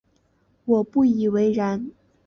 我认为不然。